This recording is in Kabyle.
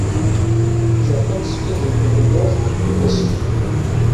Japun tezga-d deg wegmuḍ n Asya.